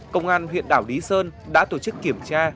công an huyện đảo lý sơn đã tổ chức kiểm tra